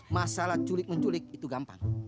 masalah culik menculik itu gampang